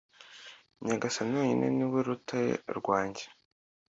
r/ nyagasani wenyine, ni we rutare rwanjye